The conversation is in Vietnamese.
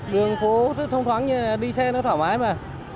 đường phố rất thông thoáng đi xe nó thoải mái mà